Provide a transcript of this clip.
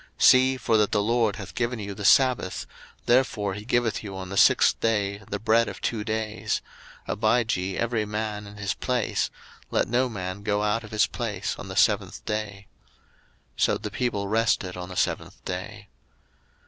02:016:029 See, for that the LORD hath given you the sabbath, therefore he giveth you on the sixth day the bread of two days; abide ye every man in his place, let no man go out of his place on the seventh day. 02:016:030 So the people rested on the seventh day.